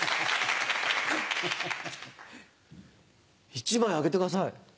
１枚あげてください。